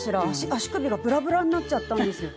足首がブラブラになっちゃったんですよ。